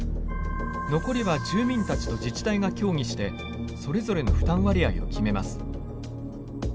残りは住民たちと自治体が協議してそれぞれの負担割合を決めます。